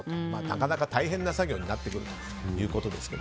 なかなか大変な作業になってくるということですが。